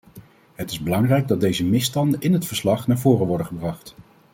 Het is belangrijk dat deze misstanden in het verslag naar voren worden gebracht.